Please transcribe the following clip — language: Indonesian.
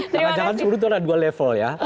jangan jangan sudah ada dua level ya